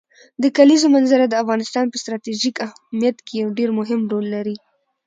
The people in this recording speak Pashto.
د کلیزو منظره د افغانستان په ستراتیژیک اهمیت کې یو ډېر مهم رول لري.